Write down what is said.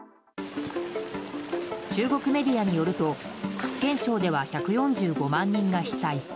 中国メディアによると福建省では１４５万人が被災。